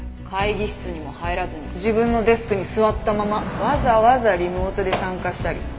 会議室にも入らずに自分のデスクに座ったままわざわざリモートで参加したり。